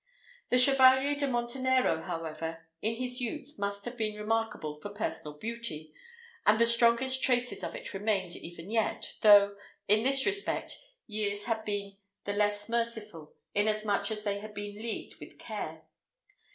The Chevalier de Montenero, however, in his youth must have been remarkable for personal beauty, and the strongest traces of it remained even yet, though, in this respect, years had been the less merciful, inasmuch as they had been leagued with care.